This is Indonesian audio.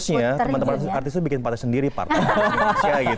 karena harusnya ya teman teman artis itu bikin partai sendiri partai